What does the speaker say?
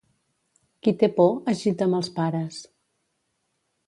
Qui té por es gita amb els pares.